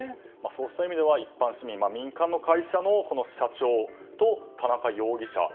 そうした意味では一般市民民間の会社の社長と田中容疑者